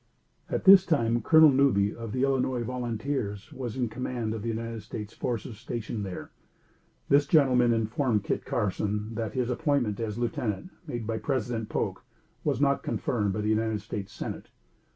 At this time Colonel Newby, of the Illinois Volunteers, was in command of the United States forces stationed there. This gentleman informed Kit Carson that his appointment as lieutenant, made by President Polk, was not confirmed by the United States Senate.